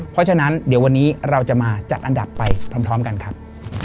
เพราะฉะนั้นเดี๋ยววันนี้เราจะมาจัดอันดับไปพร้อมกันครับ